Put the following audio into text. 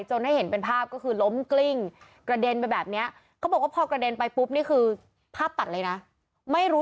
จนให้เห็นเป็นภาพก็คือล้มกลิ้งกระเด็นไปแบบนี้